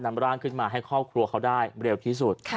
นำร่างขึ้นมาให้ครอบครัวเขาได้เร็วที่สุด